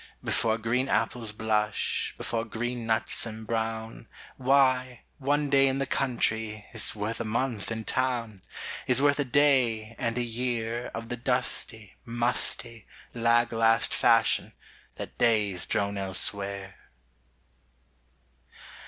Before green apples blush, Before green nuts embrown, Why, one day in the country Is worth a month in town; Is worth a day and a year Of the dusty, musty, lag last fashion That days drone elsewhere.